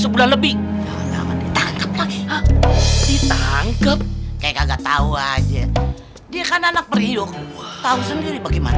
sebulan lebih ditangkap lagi ditangkep kek nggak tau aja dia kan anak berhidung tahu sendiri bagaimana